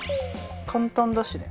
簡単だしね。